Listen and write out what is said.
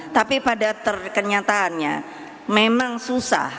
tapi pada kenyataannya memang susah